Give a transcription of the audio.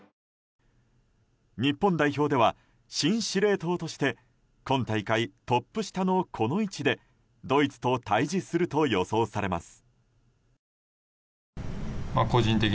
日本代表では新司令塔として今大会、トップ下のこの位置でドイツと対峙すると予想されます。